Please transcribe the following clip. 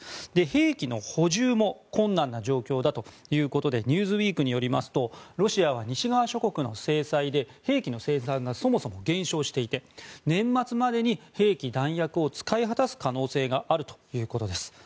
兵器の補充も困難な状況だということで「ニューズウィーク」によりますとロシアは西側諸国の制裁で兵器の生産がそもそも減少していて年末までに兵器・弾薬を使い果たす可能性があるということです。